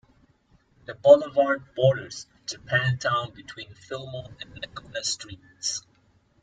The boulevard borders Japantown between Fillmore and Laguna Streets.